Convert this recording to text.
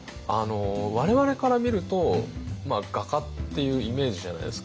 我々から見ると画家っていうイメージじゃないですか。